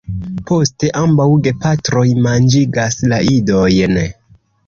Poste ambaŭ gepatroj manĝigas la idojn.